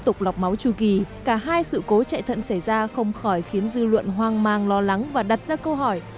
trong một kỳ cả hai sự cố chạy thận xảy ra không khỏi khiến dư luận hoang mang lo lắng và đặt ra câu hỏi